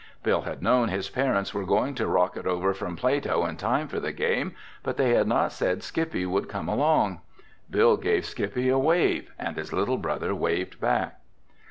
Bill had known his parents were going to rocket over from Plato in time for the game, but they had not said Skippy would come along. Bill gave Skippy a wave and his little brother waved back.